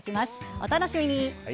お楽しみに。